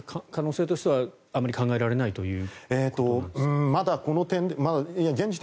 可能性としてはあまり考えられないということなんですか？